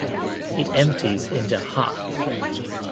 It empties into Ha!